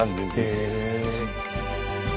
へえ。